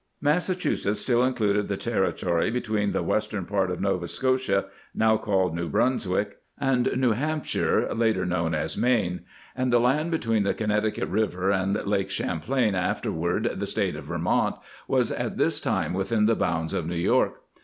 Massachusetts still in cluded the territory between the western 'part of Nova Scotia, now called New Brunswick, and The Origin of the Army New Hampshire, later known as Maine ; and the land between the Connecticut River and Lake Champlain, afterward the State of Vermont, was at this time within the bounds of New York.